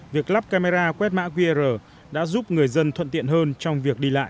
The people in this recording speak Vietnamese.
việc lắp camera quét mã qr đã giúp người dân thuận tiện hơn trong việc đi lại